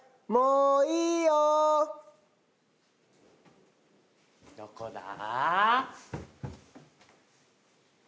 もういいよどこだ？